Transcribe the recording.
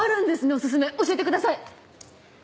お薦め教えてください！